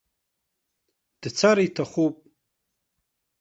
Дцар иҭахуп.